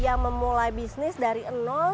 yang memulai bisnis dari nol